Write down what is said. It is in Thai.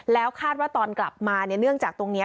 แล้วคาดว่าตอนกลับมาเนี่ยเนื่องจากตรงนี้